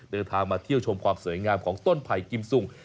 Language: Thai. เดินทางมาเที่ยวชมความสวยงามของต้นไผ่กิมซุง